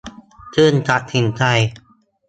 จึงตัดสินใจ